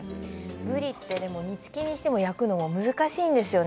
ぶりって煮つけにしても、焼くのにも難しいんですよね